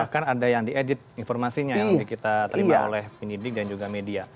bahkan ada yang diedit informasinya yang kita terima oleh penyidik dan juga media